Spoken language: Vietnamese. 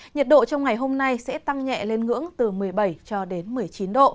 nhiệt độ trong ngày hôm nay sẽ tăng nhẹ lên ngưỡng từ một mươi bảy một mươi chín độ